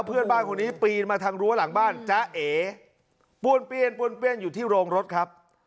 เพื่อนบ้านคนนี้ปีนมาทางรั้วหลังบ้านจ๊ะเอป้วนเปี้ยนป้วนเปี้ยนอยู่ที่โรงรถครับ